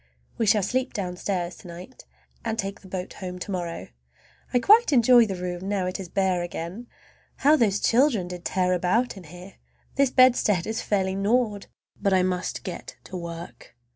We shall sleep downstairs to night, and take the boat home to morrow. I quite enjoy the room, now it is bare again. How those children did tear about here! This bedstead is fairly gnawed! But I must get to work.